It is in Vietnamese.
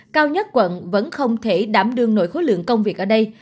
cao nhất quận vẫn không thể đảm đương nội khối lượng công việc ở đây